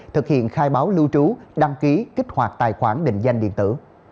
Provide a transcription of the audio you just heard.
thực hiện khai báo lưu trú đăng ký kích hoạt tài khoản định danh điện tử